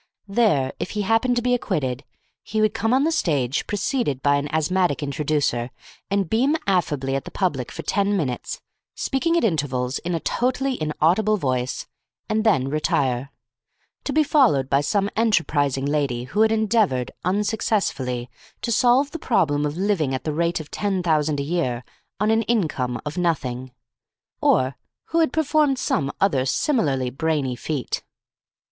There, if he happened to be acquitted, he would come on the stage, preceded by an asthmatic introducer, and beam affably at the public for ten minutes, speaking at intervals in a totally inaudible voice, and then retire; to be followed by some enterprising lady who had endeavoured, unsuccessfully, to solve the problem of living at the rate of ten thousand a year on an income of nothing, or who had performed some other similarly brainy feat.